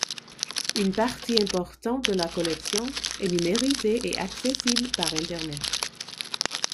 Une partie importante de la collection est numérisée et accessible par internet.